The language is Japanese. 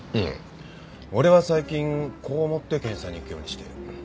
俺は最近こう思って検査に行くようにしてる。